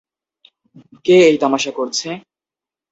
কে এই তামাশা করছে!